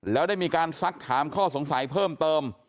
แล้วได้มีการซักถามข้อสงสัยเพิ่มเติม